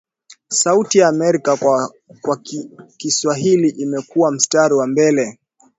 sauti ya Amerika kwa Kiswahili imekua mstari wa mbele